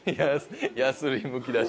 やすりむき出し。